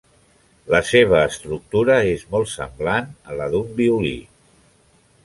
La seva estructura és molt semblant a la d'un violí.